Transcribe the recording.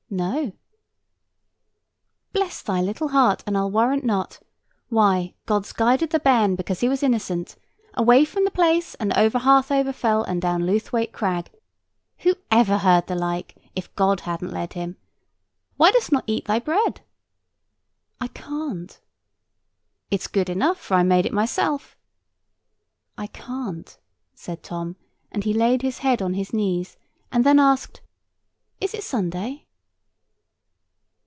"No." "Bless thy little heart! and I'll warrant not. Why, God's guided the bairn, because he was innocent! Away from the Place, and over Harthover Fell, and down Lewthwaite Crag! Who ever heard the like, if God hadn't led him? Why dost not eat thy bread?" "I can't." "It's good enough, for I made it myself." "I can't," said Tom, and he laid his head on his knees, and then asked— "Is it Sunday?"